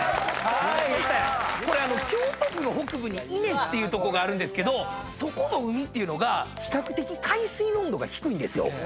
これ京都府の北部に伊根っていうとこがあるんですけどそこの海っていうのが比較的海水の温度が低いんですよ。